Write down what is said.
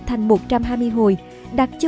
thành một trăm hai mươi hồi đặt cho